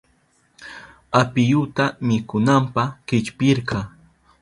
Apiyuta mikunanpa chillpirka.